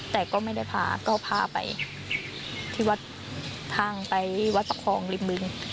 แต่ก็ไม่ได้พาก็พาไปที่วัดทางไปวัดประคองริมบึง